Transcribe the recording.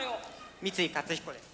三井勝彦です。